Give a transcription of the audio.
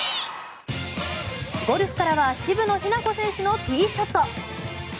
ゴルフからは渋野日向子選手のティーショット。